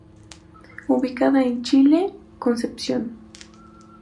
Ubicada en Chile, Concepción.